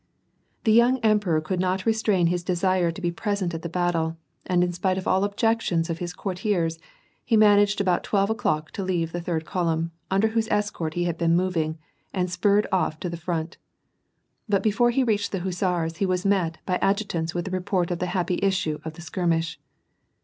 The young emperor could not restrain his desire to be pres ent at the battle, and in spite of all the objections of his court iers, he managed about twelve o'clock to leave the third column, under whose escort he had been moving, and spurred ofp to the front. But before he reached the hussars he was met by ad jutants with the report of the happy issue of the skirmish.